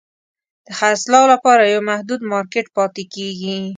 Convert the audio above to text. د خرڅلاو لپاره یو محدود مارکېټ پاتې کیږي.